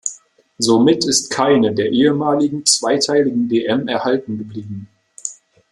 Somit ist keine der ehemaligen zweiteiligen Dm erhalten geblieben.